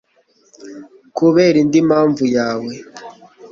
Kubera indi mpamvu yawe